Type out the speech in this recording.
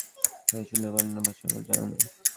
এর সৌন্দর্য বর্ণনার ভাষা আমার জানা নেই।